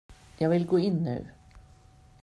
Jag vill gå in nu.